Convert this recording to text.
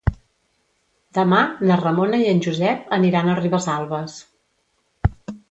Demà na Ramona i en Josep aniran a Ribesalbes.